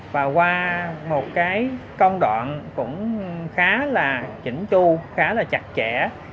và qua một cái công đoạn cũng khá là chỉnh chu khá là chặt chẽ